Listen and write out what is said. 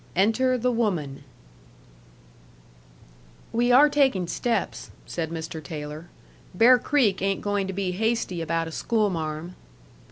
ENTER THE WOMAN "We are taking steps," said Mr. Taylor. "Bear Creek ain't going to be hasty about a schoolmarm."